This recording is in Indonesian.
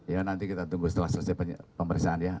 ya nanti kita tunggu setelah selesai pemeriksaan ya